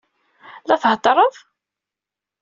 La theddṛeḍ?